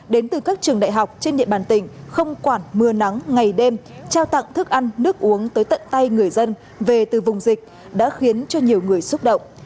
đến từ các trường đại học trên địa bàn tỉnh không quản mưa nắng ngày đêm trao tặng thức ăn nước uống tới tận tay người dân về từ vùng dịch đã khiến cho nhiều người xúc động